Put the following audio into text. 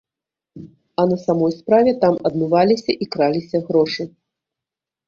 А на самой справе, там адмываліся і краліся грошы.